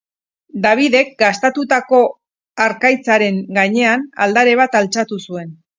Davidek, gastatutako harkaitzaren gainean, aldare bat altxatu zuen.